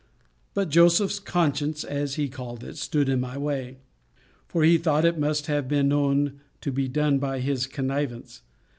But Joseph's conscience, as he called it, stood in my way; for he thought it must have been known to be done by his connivance.